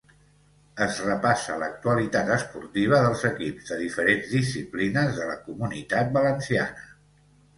Es repassa l'actualitat esportiva dels equips de diferents disciplines de la Comunitat Valenciana.